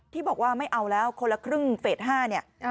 ที่บอกว่าไม่เอาแล้วคนละครึ่งเฟส๕เนี่ย